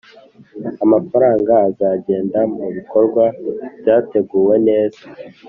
amafaranga azagenda mu bikorwa byateguwe neza